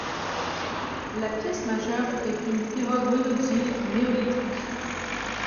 La pièce majeure est une pirogue monoxyle néolithique.